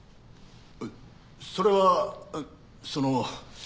それはその。